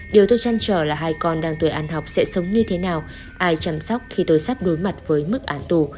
điều tôi chăn trở là hai con đang tuổi ăn học sẽ sống như thế nào ai chăm sóc khi tôi sắp đối mặt với mức án tù